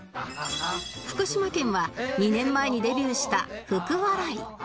福島県は２年前にデビューした福、笑い